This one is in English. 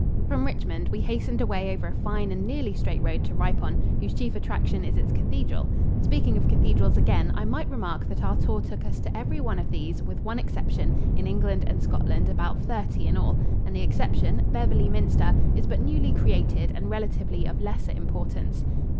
From Richmond we hastened away over a fine and nearly straight road to Ripon, whose chief attraction is its cathedral. Speaking of cathedrals again, I might remark that our tour took us to every one of these, with one exception in England and Scotland, about thirty in all and the exception, Beverly Minster, is but newly created and relatively of lesser importance.